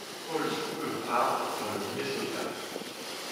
Paul School of Art dans le Minnesota.